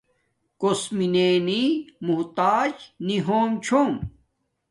کوس مینے نی موتاج نی ہوم چھوم